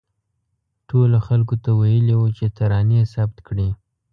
ټولو خلکو ته ویلي وو چې ترانې ثبت کړي.